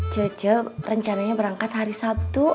jojo rencananya berangkat hari sabtu